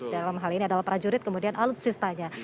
dalam hal ini adalah prajurit kemudian alutsistanya